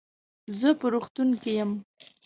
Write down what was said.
زه په روغتون کې يم.